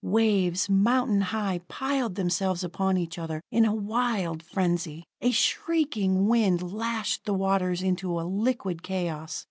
Waves, mountain high, piled themselves upon each other in a wild frenzy; a shrieking wind lashed the waters into a liquid chaos.